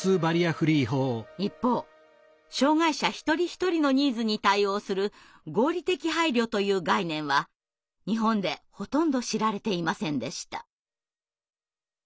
一方障害者一人一人のニーズに対応する合理的配慮という概念は日本でほとんど知られていませんでした。